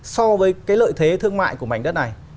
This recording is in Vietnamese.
so với cái lợi thế thương mại của mảnh đất này